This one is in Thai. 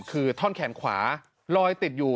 คือท่อนแขนขวาลอยติดอยู่